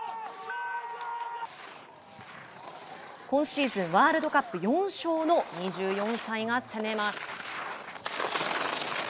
今シーズンワールドカップ４勝の２４歳が攻めます。